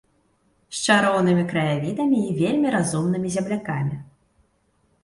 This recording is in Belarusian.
З чароўнымі краявідамі і вельмі разумнымі землякамі.